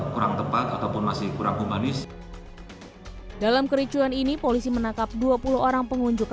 kurang tepat ataupun masih kurang humanis dalam kericuan ini polisi menangkap dua puluh orang pengunjuk